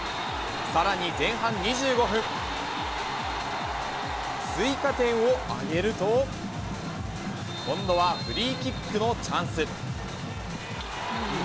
さらに前半２５分、追加点を挙げると、今度はフリーキックのチャンス。